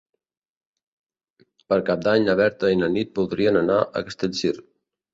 Per Cap d'Any na Berta i na Nit voldrien anar a Castellcir.